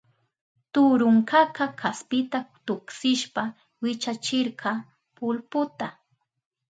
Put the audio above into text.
Turunkaka kaspita tuksishpa wichachirka pulbuta.